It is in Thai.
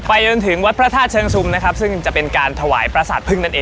จนถึงวัดพระธาตุเชิงชุมนะครับซึ่งจะเป็นการถวายประสาทพึ่งนั่นเอง